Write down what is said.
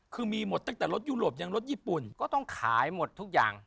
คือมีหมดตั้งแต่รถยุโรปยังรถญี่ปุ่นก็ต้องขายหมดทุกอย่าง